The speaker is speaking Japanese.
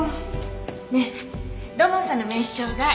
ねえ土門さんの名刺ちょうだい。